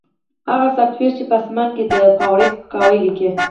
هغه سافټویر چې په اسمان کې د فارویک سپکاوی لیکي